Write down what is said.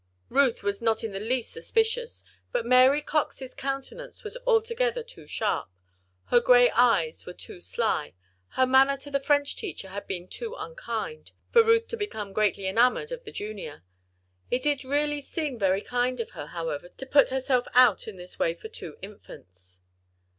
Ruth was not in the least suspicious; but Mary Cox's countenance was altogether too sharp, her gray eyes were too sly, her manner to the French teacher had been too unkind, for Ruth to become greatly enamored of the Junior. It did really seem very kind of her, however, to put herself out in this way for two "Infants."